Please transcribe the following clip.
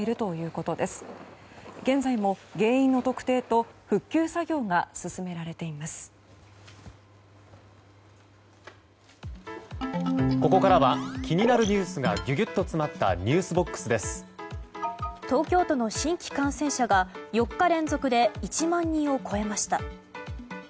ここからは気になるニュースがぎゅぎゅっと詰まった東京都の新規感染者が４日連続で１万人を超えました。